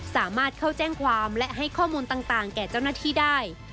สามารถเข้าแจ้งความและให้ข้อมูลต่างแก่เจ้าหน้าที่ได้